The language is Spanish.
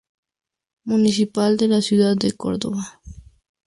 Municipalidad de la Ciudad de Córdoba